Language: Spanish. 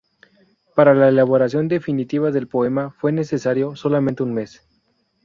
Para la elaboración definitiva del poema fue necesario solamente un mes.